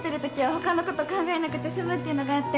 他のこと考えなくて済むっていうのがあって